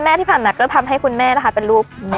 แม่ที่ผ่านมาก็ทำให้คุณมาเป็นลูกแม่